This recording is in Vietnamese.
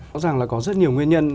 rõ ràng là có rất nhiều nguyên nhân